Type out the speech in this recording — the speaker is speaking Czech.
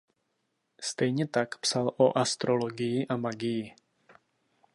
Stejně tak psal o astrologii a magii.